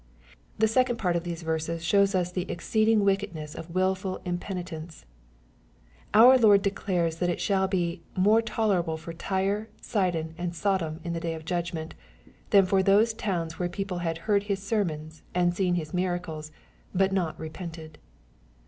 The second part of these verses shows us the exceeding wickedness of toilful impenitence. Our Lord declares that it shall be ^^ more tolerable for Tyre, Sidon, and Sodom, in the day of judgment," than for those towns where people had heard His sermons, and seen His miracles, but not repented.